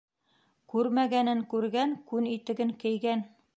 Күрмәгәнен күргән, күн итеген кейгән.